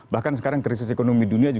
bahkan sekarang krisis ekonomi dunia juga